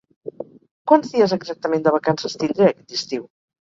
Quants dies exactament de vacances tindré aquest estiu?